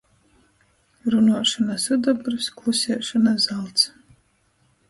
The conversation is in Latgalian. Runuošona - sudobrs! Klusiešona - zalts!